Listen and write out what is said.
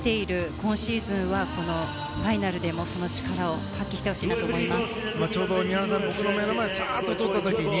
今シーズンはファイナルでも力を発揮してもらいたいなと思います。